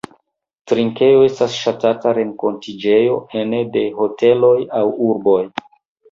Trinkejo estas ŝatata renkontiĝejo ene de hoteloj aŭ urboj.